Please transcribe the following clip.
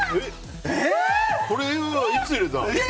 これはいつ入れたの？